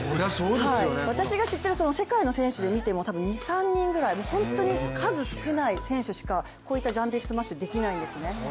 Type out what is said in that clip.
私が知っている世界の選手で見ても２３人ぐらい本当に数少ない選手しかこういったジャンピングスマッシュできないんですね。